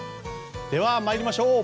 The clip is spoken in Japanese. では参りましょう。